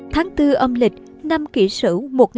tháng bốn âm lịch năm kỷ sử